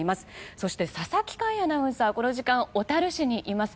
そして、佐々木快アナウンサーがこの時間、小樽市にいます。